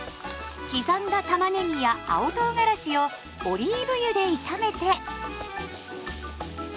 刻んだたまねぎや青とうがらしをオリーブ油で炒めて。